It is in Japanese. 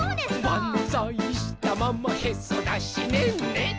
「バンザイしたままへそだしねんね」